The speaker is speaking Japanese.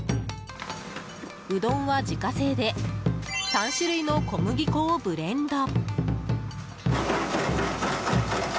うどんは自家製で３種類の小麦粉をブレンド。